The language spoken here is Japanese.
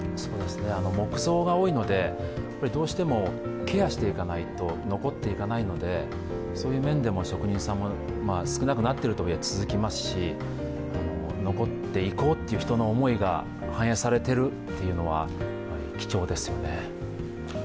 木造が多いので、どうしてもケアしていかないと残っていかないので、そういう面でも職人さんも少なくなっているとはいえ続きますし、残っていこうという人の思いが反映されているというのは貴重ですよね。